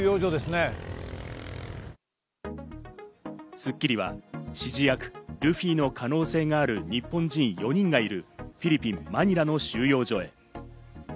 『スッキリ』は指示役・ルフィの可能性がある日本人４人がいるフィリピン・マニラの収容所へ。